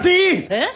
えっ？